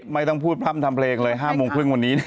ไม่ต้องพูดพร่ำทำเพลงเลย๕โมงครึ่งวันนี้